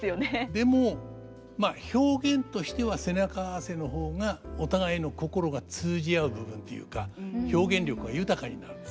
でもまあ表現としては背中合わせの方がお互いの心が通じ合う部分ていうか表現力が豊かになるんですね。